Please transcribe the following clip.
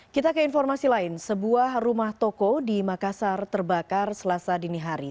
kita ke informasi lain sebuah rumah toko di makassar terbakar selasa dini hari